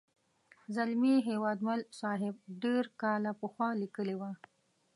زلمي هیوادمل صاحب ډېر کاله پخوا لیکلې وه.